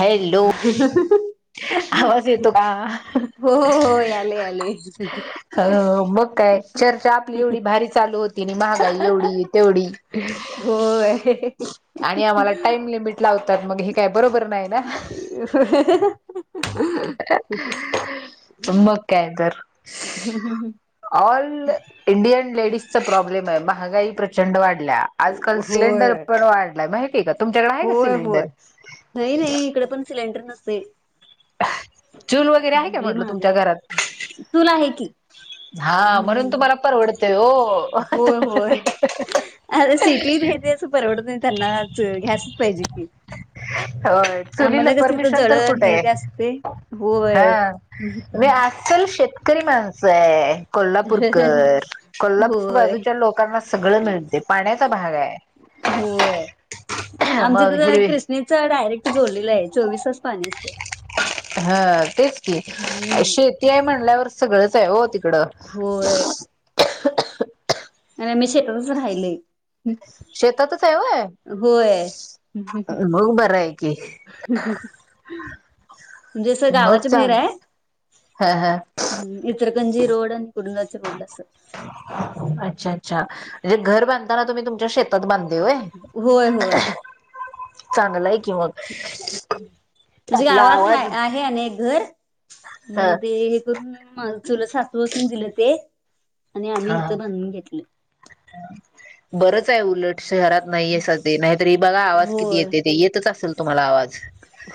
Hello आवाज येतो कां? हो हो याले याले आ मग काय चर्चा आपली एवढी भारी चालू होती तिनी महागाई एवढी, तेवढी होय. आणि आम्हाला टाइम लिमिट लाव तर मग हे काय बरोबर नाय ना? मग काय तर? ऑल इंडियन लेडीजचा प्रॉब्लेम हाय. बाक महागाई प्रचंड वाढल्या. आजकाल सिलेंडर होय पण वाढलात बाई. एकच होय होय. नाई नाई इकडं पन सिलेंडर नस ते. चूल वगैरे आहे का म्हणल तुमच्या आहे घरात? तुला आहे की हा हम्म म्हणून हम्म. तुम्हाला परवडतय हो होय होय. आता सिटीत हे तेच परवडतंय त्यांना. गॅसचं पाहिजे की. होय चुलीला आम्हाला कस इथं परमिशन तर जळण कुठे हे आहे ते असते हा होय. मी अस्सल शेतकरी मा सय कोल्हापूरकर. कोल्हापूर होय बाजूच्या लोकांना सगळं मिळते. पाण्याचा भाग आहे. होय. आमच्या मग इथं हिरवी कृष्णेचा डायरेक्ट जोडलेला आहे [inaudible] चोवीस तास पाणी असते. हा. तेच की. हम्म शेती हाय म्हनल्यावर सगळंच तयार होतील. होय. हिकडं आम्ही शेतातच राहिलोय. शेतातच हाय होय? होय. म्हणजे मग बर आहे की. म्हणजे अस मग गावाच्या बाहीर चाल हाय हा हा इचलरकंजी रोड कुडनाच बुडलं असल अच्छा अच्छा, म्हणजे घर बांधतानाव तुम्ही तुमच्या शेतात बांधले होय होय होय. चांग ला हाय की मग म्हणजे आपला गावात आवाज हाय. आहे आणि एक घर हा मग ते हे करून, चुलंत सासूसन दिलं ते. आणि आम्ही हा इथं बांधून घेतलं. बरंच आहे उलट. शहरात नाहीय सदी नाहीतर हे बघा आवाज किती होय येते ते? येतच असेल तुम्हाला आवाज,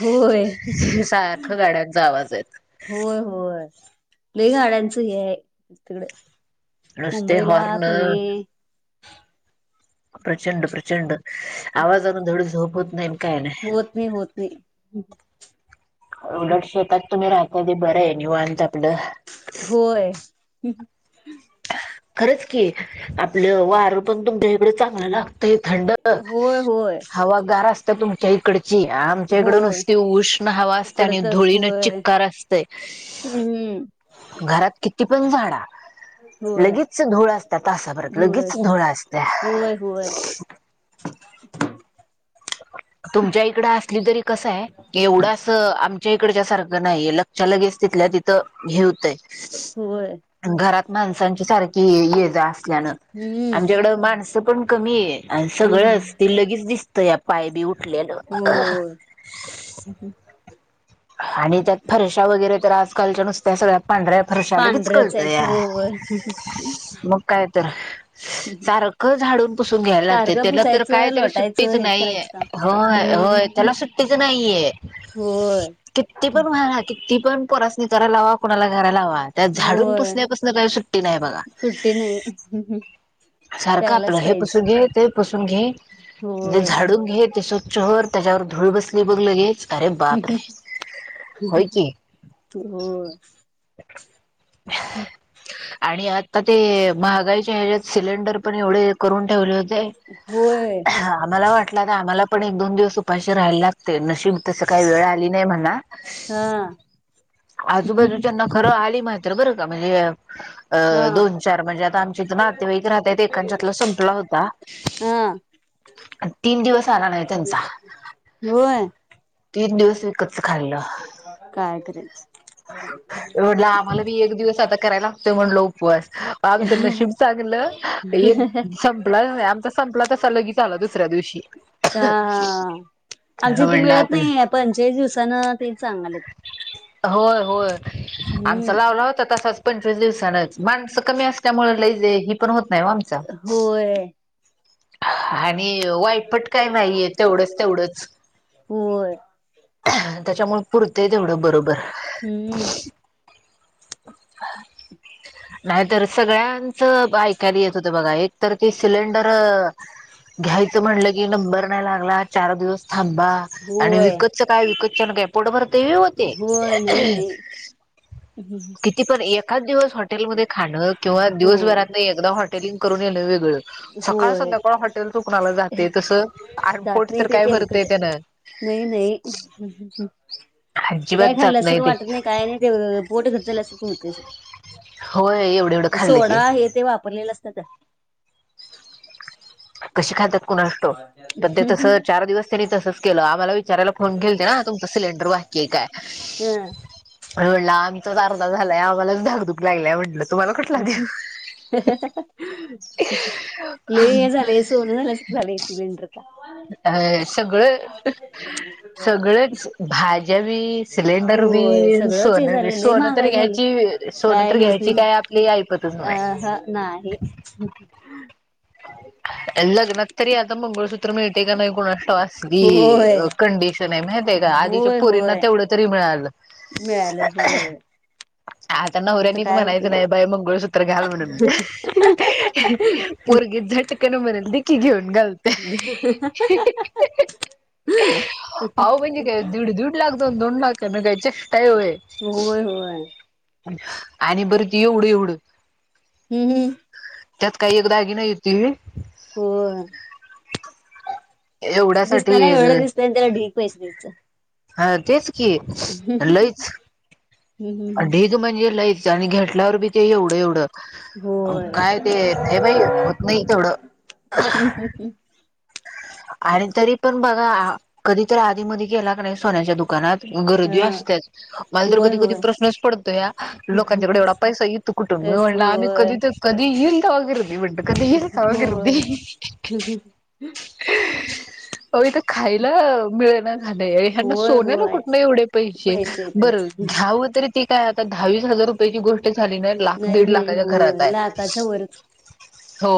होय सारख गाड्यांचा आवाज आहे. होय होय, लई गाड्यांचं हे आहे तिकड. रस्ते, हॉर्न प्रचंड, प्रचंड आवाजान धड झोप होत नाही अन् काय नाही? होत होत नाही उलट शेतात तुम्ही राहताय, ते बरं हाय निवांत आपल होय. खरंच. की आपलं वार पण तुमच्या इकडें चांगलं लाग तय थंड होय होय हवागार असत्या, तुमच्या इकडची आमच्या इकड होय नुसती उष्ण हवा असत्या आणि उकडतच धुळी न होय चिक्कार असतय, हम्म. घरात किती? पण झाडा. होय लगेच धुळा असता तासाभरात लगेच धुळस धुळा असत्या. होय होय तुमच्या इकड असली तरी कसं आहे एवढ असं आम इकडच्या सारखं नाहीये लगच्या लगेच तिथल्या तिथं घेऊ ते. होय. माणसांची सारखी ये ये-जा आमच्याकड हम्म माणसं पण कमी आहे अन होय सगळंच ते लगेच दिस तयार पाय बी उट लेल. अहं होय [inaudible] आणि त्यात फर्शाव [unintelligible] तर आज कालच्या नुसतं त्या सगळ्या पांढऱ्या फरशा लगीच पांढऱ्याच आहेत कळतया होय [inaudible] मग काय तर सारखं झाडून, पुसूनं घ्यायला लागतयं सारखं त्याला तर पुसायचं काय तरी लोटायचं सुट्टीचं हेच नाही याय. करायचं काम होय होय हम्म त्याला सुट्टीच नाहीये. होय किती पण वाळा किती पण पोरासनी करायला लावा कुणाला [unintelligible] त्यात झाडून होय पुसण्यापासनं काय सुट्टी नाही बघा, सुट्टी नाही सारखं आपलं करायलाच हे पाहिजे पुसून घे, ते पुसून घे, ते होय झाडून घे ते सु चहर त्याच्यावर धुळ बसली बघ लगे अरे बापरे! होय की होय आणि आता ते महागाईचे [unintelligible] सिलेंडर पण एवढे हे करून ठेवलं हो ते होय आम्हाला वाटलं का आम्हाला पण एक दोन दिवस उपाशी राहायला लागतंय नु [unintelligible] तसं काय वेळ आली. नाही म्हणा हा आजूबाजूच्याना खर आली मा तर बरं का म्हणजे अ हा दोन चार म्हणजे आता आमचे इथं नातेवाईक राहत्यात एकांच्यातला संपला होता, हा आणि तीन दिवस आला नाही त्यांचा होय तीन दिवस विकतच खाल्लं काय करायचं. म्हटलं आम्हाला बी एक दिवस आता करायला लागतोय मनलं उप वास आमचं नशीब चांगलं एक संपला आमचा संपला, तसा लगेच आला दुसऱ्या दिवशी का आमच्या हं इथे म्हणलं, मिळत आपलं नाही पंचेचाळीस दिवसान ते चांगलेत हो आमचा हम्म लावला होता. तसाचं पंचवीस दिवसा नचं माणसं कमी असल्यामुळे लय जे ही पण होत नाही ओ आमचा होय. आणि वाईपट काय नाही हाय तेवढंच तेवढंच. होय त्याच्यामुळे पुरतंय तेवढं बरोबर. हम्म नाहीतर सगळ्यांचं ऐकायला येत होत बघा एक तर ते सिलेंडर घ्याय च म्हटलं की नंबर नाही लागला चार दिवस थांबा आणि होय विकतचं काय विकतच्या नं काय पोट भरते होय ते. होय नाही नाही किती पण एक का दिवस हॉटेलमध्ये खाणं किंवा हो दिवसभरात एकदा हॉटेल करून येणं वेगळं. सकाळ होय, संध्याकाळ हॉटेल चुकणाला जाते तसं जात आरपोट नाही तर ते काय भरतय तेलकट त्यानं नाही नाही, हम् हम् काय अजिबात खाल्लं जात असं ते वाटत नाही काय नाही ते पोट घ ट झाल्यासारखं हुतय असं. होय एवढं एवढं ते खाल्लं की सोडा हे ते वापरलेलं असत्यात. कशी खातात कुणास ठाऊक पण ते तस चार दिवस त्यांनी तसंच केलं आम्हाला वि चारायला फोन केलते ना तुमचा सिलेंडर बाकीये काय, ह म्हणला आमचाच अर्धा झालाय आम्हालाच धाग दुग लागल्या म्हटलं तुम्हाला कुठला देऊ? लय [unintelligible] लय सोनं झाल्यासारखं झालंय सिलेंडर आता. अ सगळं सगळंच भा ज्या बी सिलेंडर बी होय सगळंच हे सोनं बी, झालंय लय सोनं तर महागाई झालंय घ्यायची सोनं काय तर हेच घ्यायची नाही काय आपली आईपतच अ नाय. ह नाही अ लग्नात तरी आता मंगळसु त्र मिळतंय का नाही कुणास ठाव असली होय कंडिशन आहे माहितीय का? आधीच्या होय पोरींना होय तेवढं तरी मिळालं. मिळालं होय आता नवऱ्यांनीच काय म्हणायचं उपयोग नाही बाई मंगळसूत्र घाल म्हणून, पोरगी झट कन म्हणल दे की घेऊन घालते, अहो म्हणजे काय दीड दीड लाख [unintelligible] चेष्टा हाय व्हय. होय होय. आणि बर ते एवढं-एवढं. हम्म हम्म. त्यात काही एक दागिना येतोय व्हय? होय. एवढ्यासाठी दिसतान एवढ-एवढ दिसतंय आणि त्याला ढीग पैस द्यायचं. हां तेच की लईच हम्म हम्म ढीग म्हणजे लईच आणि घेतल्यावर बी ते हम्म एवढं-एवढं होय. काय ते नाही बाई होत नाही तेवढं. आणि तरी पण बघा कधी तर आधी मध्ये गेला का नाही सोन्याच्या दुकानात गर्दी हा असत्याच, मला तर होय कधी-कधी होय. प्रश्नच पडतो या लोकांच्याकडे एवढा पैसा येतो कुठून? मी तेच म्हटलं आम्ही होय. कधी तर कधी ही [unintelligible] कधीही जावा होय गर्दी [unintelligible] [unintelligible] अ इथ खायला मिळे ना. झालंय ह्यांना होय सोन्याला होय कुठनं एवढे पैसे बरं घ्यावं तरी ते काय आता दहावीस हजार रुपयाची गोष्ट झाली नाही अन् लाख दीड नाही लाखाच्या घरात होय आहे. लाखाच्या वरच [inaudible] हो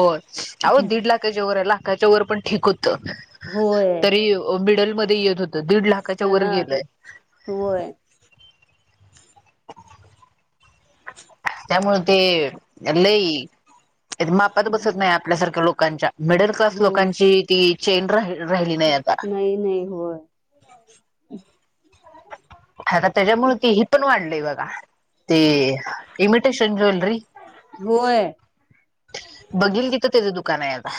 अहो दीड लाखाच्या वर आहे ल च वर पण ठीक हुतं [unintelligible] होय तरी ओ मिडल मध्ये येतं. त दीड लाखाच्या वर हा गेलंय. होय. [unintelligible] [unintelligible] त्यामुळे ते लई [inaudible] तेज मापात बसत नाही आपल्यासारखं लोक कांच्या. मिडल क्लास लोकांची ती चेंद्र हाय. [inaudible] नाही-नाही, होय. [inaudible] आता त्याज्यामुळं तेही पण वाढलय बग. [unintelligible] ते इमिटेशन ज्वेलरी, होय बघिल तिथं तेजं दु कानय आता.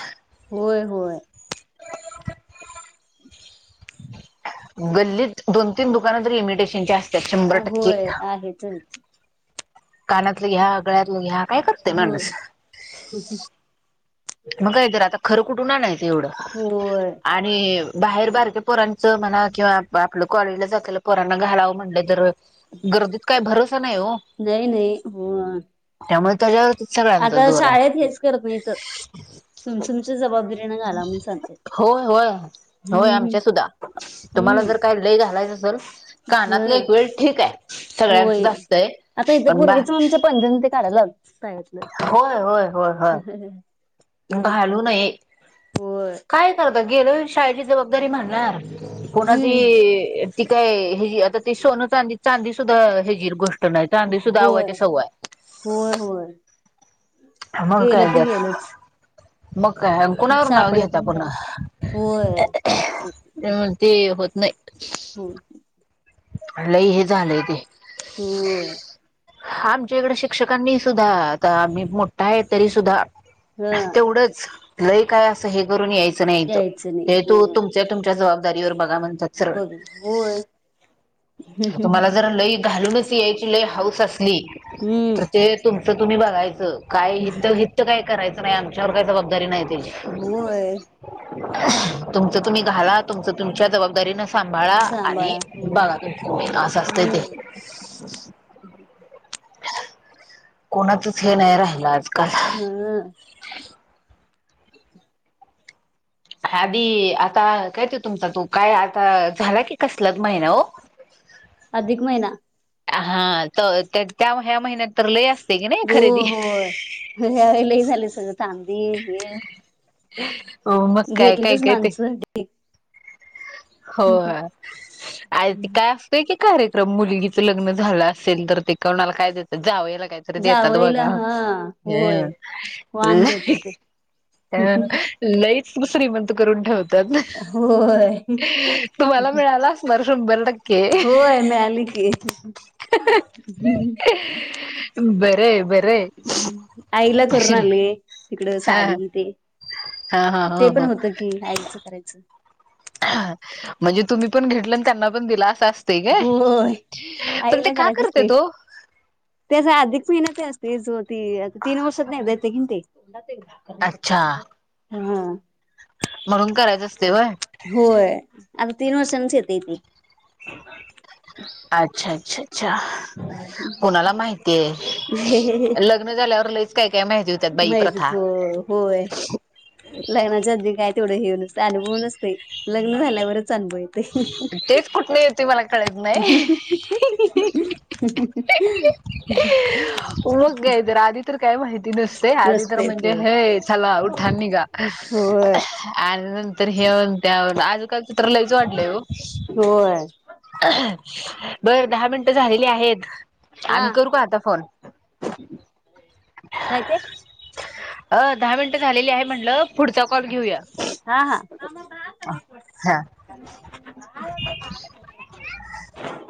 होय-होय. गल्लीत दोन तीन दुकानं तरी इमिटेशनच्या आस् अ होय आहेच हेच. कानातलं घ्या, गळ्यातलं घ्या, काय करतेय हो माणूस? म काय तर आता ख खरं कुठून आणाय तेवढं, होय आणि बाहेर बारके पोरांचं म्हणा किंवा आपलं कॉलेजला जातला पोरांना घालावं म्हणलं तर गर्दीत काही भरोसा नाही ओ, नाही नाही होय. त्यामुळं तेज्याव आता शाळेत हेच करत नाहीत. तुमची-उमची जबाब होय-होय, होय हम्म आमच्या सुद्धा, तुम्हाला जर हम्म काय लय घालायचं असल कानातलं ह एक वेळ ठीक आय. होय. आता इथं बा पोरगीच आमच्या पैंजण ते काढायला लावलीत होय होय होयय व्हय. घालू नये. होय काय ही करता गेल्यावर शाळेची जबाबदारी भांडणार हम्म कोणाचीही ती काय हे घे आता ते सोने, चांदी चांदी सुद्धा हे घेईल बग तर नाय चांदी सुद्धा होय अवाच्या सव्वा होय हाय. होय मग गेलं काय ते तर गेलंच मग काय कुणावर नाव सापडत घेता नाही काय पुन्हा होय ते, ती म्हणती होत नाही. हुं. लई हे झालय ते होय हा आमच्या इकडे शिक्षकांनी सुद्धा आता मी मोठा आहे तरी सुद्धा. हा तेवढंच.. लय काय असं हे करून यायचं घ्या नाही येतो, यायचं नाही येतो होय तुमच्या तुमच्या जबाबदारीवर बघा म्हणतात ससर्व. अच्छा बघ होय तुम्हाला जरा लई ते घालूनच प्यायची लय हौस असेली हम्म तर ते तुमच तुम्ही बघायचं काय करायचं नाही आमच्यावर काय जबाबदारी तयारी नाही तेची होय [inaudible] तुमचं तुमी घाला तुमच तुमी तुमच्या जबाबदारी तरी नसतत्या? सांभाळा आणि सांभाळा होय बघलोय की ओ आसं असतंया ते.. हम्म कोणााचच हे नाही राहिलं अजून. [unintelligible] [inaudible] हबी आता- कायते तुमचा तो काय आता झाला की कसला महिना हो. अधिक महिना हां तर त्या त्या ह्या महिन्यात तर लय असते की नाही हो खरेदी होय ह्यावेळी लई झालय सगळं सगळ चांदी, हे [unintelligible] हो मग काय काय घेतलीतच काय ते. माणसं. होय. आय ते काय असतय की कार्यक्रम मुलगीच लग्न झालं असेल तर ते कोणाला काय देतात जावयाला याला काहीतरी देतात जावईला बघा. हा होय. हं वान द्यायच असते अ लईच श्रीमंत करून ठेवाय होय तुम्हाला मिळाला असणार शंभर टक्के होय मिळाली की. बरं [unintelligible] आईला करून आले तिकड हा साडीन ते हा हा ते हा पण हा होतं कि आईच करायचं. म्हणजे तुम्ही पण घेतलं अन त्यांना पण दिलं अस असतय काय होय -पण ते का करतात ओ? ते असं अधिक महिन्यात असतयच ओ ते तीन वर्षातन एकदा येतंय कने ते. घरात एक भाकर देत्यात काय अच्छा सांग बर हा. म्हणून करायचं असतय व्हय. आणि तीन वर्षांनीच येतय ते. अच्छा अच्छा. अच्छा- कुणाला माहितीये लग्न झाल्यावर लई माहिती होतय होय लग्नाच्या आधी काय तेवढं हे नसतात अनुभव नसतंय. लग्न झाल्यावरच अनुभव येतय. तेच कुठन येतोय मला कळत नाही, मग काय तर आधी तर काय ती दिसतंय आधी तर नसतोय म्हणजे होय हे चला उठा आणि निघा. होय आणि नंतर ह्यावरून त्यावर आज कालची तर लईच वाढ हॅलो- होय बर दहा मिनटं झालेली आहेत. आम्ही हा करू का आता कॉल? [unintelligible] काय ते? अ दहा मिनिटं झालेली आहेत म्हटलं पुढचा कॉल घेऊया हा हा हा. [inaudible]